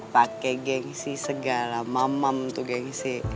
pakai gengsi segala mamam tuh gengsi